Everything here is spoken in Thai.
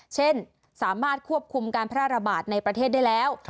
เช่นสามารถควบคุมการแพร่ระบาดในประเทศได้แล้ว